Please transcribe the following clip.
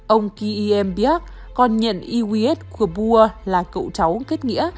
ông k i m biak còn nhận i w s kabur là cậu cháu kết nghĩa